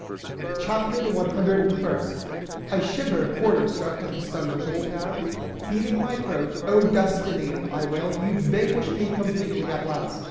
CHAPTER THE ONE HUNDRED AND FIRST. I shivered, horror struck, at this thunderbolt and, beating my throat, "Oh Destiny," I wailed, "you've vanquished me completely, at last!"